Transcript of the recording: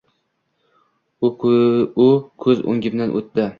U ko‘z o‘ngimdan o‘tdi.